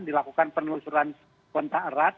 dilakukan penelusuran kontak erat